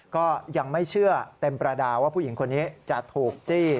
ก็ยังไม่เชื่อเต็มประดาษว่าผู้หญิงคนนี้จะถูกจี้